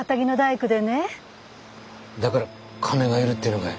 だから金が要るっていうのかい？